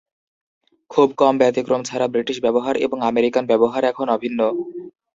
খুব কম ব্যতিক্রম ছাড়া, ব্রিটিশ ব্যবহার এবং আমেরিকান ব্যবহার এখন অভিন্ন।